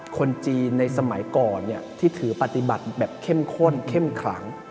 คนจีนในสมัยก่อนที่ถือปฏิบัติแบบเข้มข้นเข้มขลัง